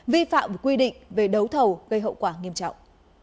vi phạm quy định về đấu thầu gây hậu quả nghiêm trọng